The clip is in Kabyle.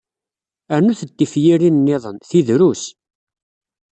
Rnut-d tifyirin-niḍen, ti drus.